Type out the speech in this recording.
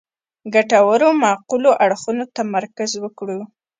ګټورو معقولو اړخونو تمرکز وکړو.